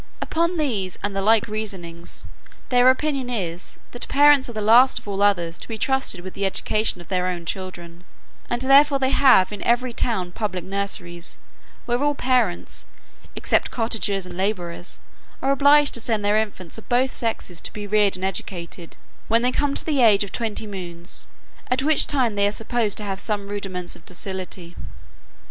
Upon these, and the like reasonings, their opinion is, that parents are the last of all others to be trusted with the education of their own children; and therefore they have in every town public nurseries, where all parents, except cottagers and labourers, are obliged to send their infants of both sexes to be reared and educated, when they come to the age of twenty moons, at which time they are supposed to have some rudiments of docility.